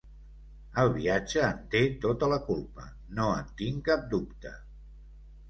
El viatge en té tota la culpa, no en tinc cap dubte.